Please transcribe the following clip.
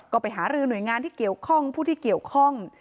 ก็ไปหารือหน่วยงานที่เกี่ยวข้องผู้ที่เกี่ยวข้อง